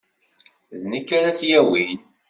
D nekk ara t-yawin.